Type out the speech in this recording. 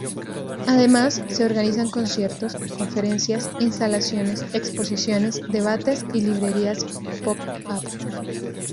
Además, se organizan conciertos, conferencias, instalaciones, exposiciones, debates y librerías pop-up.